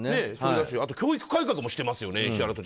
あと教育改革もしていますよね。